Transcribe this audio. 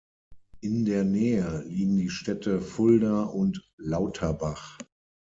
In der Nähe liegen die Städte Fulda und Lauterbach.